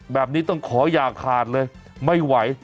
แบบนี้ต้องขออย่าขาดเลยไม่ไหว